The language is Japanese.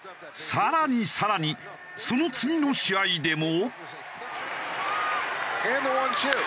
更に更にその次の試合でも。